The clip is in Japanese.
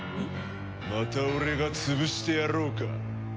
また俺が潰してやろうか？